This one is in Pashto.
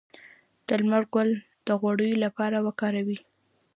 د لمر ګل د غوړیو لپاره وکاروئ